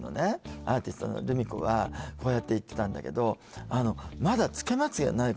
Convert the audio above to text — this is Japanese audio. アーティストのＲＵＭＩＫＯはこうやって言ってたんだけど「まだつけまつげがない頃」